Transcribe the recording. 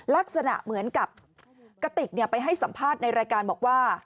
ลักษณะเหมือนกับกติกไปให้สัมภาษณ์ในรายการบอกว่า